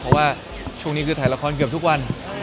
เพราะว่าช่วงนี้คือถ่ายละครเกือบทุกวัน